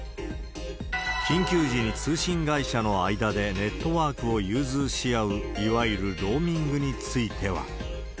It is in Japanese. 緊急時に通信会社の間でネットワークを融通し合う、いわゆるローミングについては。